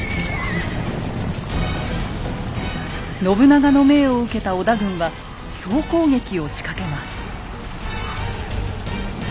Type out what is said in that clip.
信長の命を受けた織田軍は総攻撃を仕掛けます。